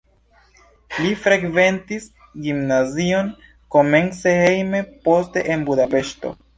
Li frekventis gimnazion komence hejme, poste en Budapeŝto.